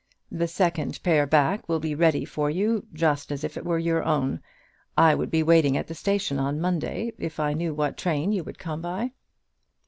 The second pair back will be ready for you, just as if it were your own. I would be waiting at the station on Monday, if I knew what train you would come by."